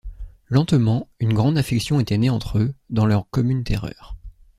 Lentement, une grande affection était née entre eux, dans leur commune terreur.